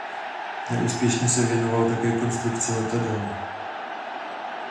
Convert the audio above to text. Neúspěšně se věnoval také konstrukci letadel.